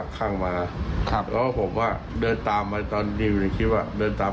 ๓ทั้งค่ะฟาดไปที่ไหน